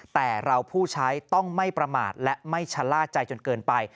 แต่เราผู้ใช้ต้องไม่ประมาทและไม่ชะล่าใจจนเกินไป